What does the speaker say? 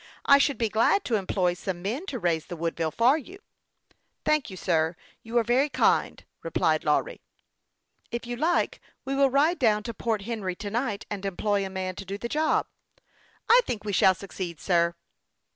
I should be glad to employ some men to raise the Woodville for you." " Thank you, sir. You are very kind," replied Lawry. " If you like, we will ride down to Port Henry to night, and employ a man to do the job." " I think we shall succeed, sir."